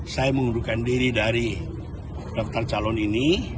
saya mengundurkan diri dari daftar calon ini